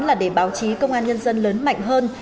là để báo chí công an nhân dân lớn mạnh hơn